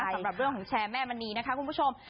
สำหรับเรื่องของแชร์แม่มณีนะคะคุณผู้ชม